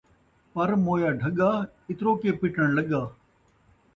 پر مویا ڈھڳا، اتروکے پٹݨ لڳا